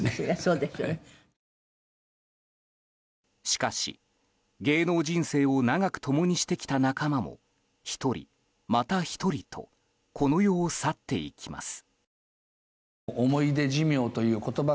しかし、芸能人生を長く共にしてきた仲間も１人、また１人とこの世を去っていきます。